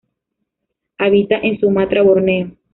Habita en Sumatra, Borneo.